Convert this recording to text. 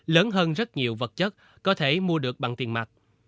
lớn hơn rất nhiều vật chất có thể mua được bằng tiền mặt